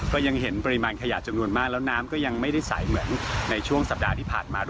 ก็ยังเห็นปริมาณขยะจำนวนมากแล้วน้ำก็ยังไม่ได้ใสเหมือนในช่วงสัปดาห์ที่ผ่านมา